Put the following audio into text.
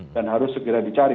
dan harus segera dicari